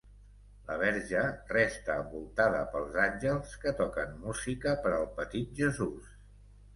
La Verge resta envoltada pels àngels que toquen música per al petit Jesús.